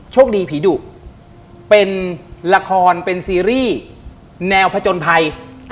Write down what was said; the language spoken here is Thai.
คดีผีดุเป็นละครเป็นซีรีส์แนวผจญภัย